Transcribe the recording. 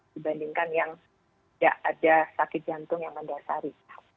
dibandingkan yang tidak ada sakit jantung yang mendasari